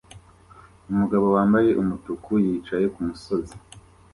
Umugabo wambaye umutuku yicaye kumusozi